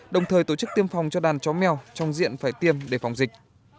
đồng thời tổ chức tiêm phòng cho đàn chó mèo trong diện phải tiêm để phòng dịch